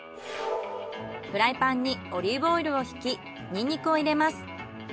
フライパンにオリーブオイルを引きニンニクを入れます。